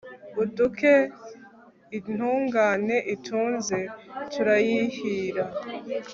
uduke intungane itunze turayihira